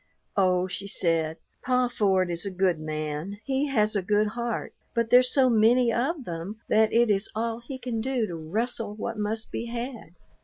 "Oh," she said, "Pa Ford is a good man. He has a good heart, but there's so many of them that it is all he can do to rustle what must be had.